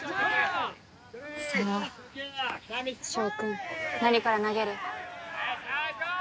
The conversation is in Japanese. さあ翔君何から投げる？